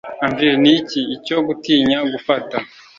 anvil ni iki? icyo gutinya gufata,